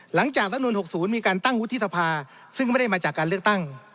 รัฐมนุน๖๐มีการตั้งวุฒิสภาซึ่งไม่ได้มาจากการเลือกตั้ง